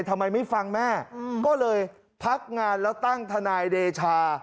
ทำไมไม่ฟังแม่ก็เลยพักงานแล้วตั้งทนายเดชา